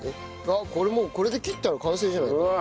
あっこれもうこれで切ったら完成じゃないかな。